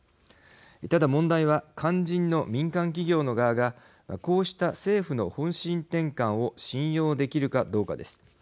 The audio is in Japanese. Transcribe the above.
ただ、問題は肝心の民間企業の側がこうした政府の方針転換を信用できるかどうかです。